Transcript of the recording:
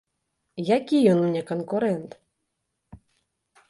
Які ён мне канкурэнт?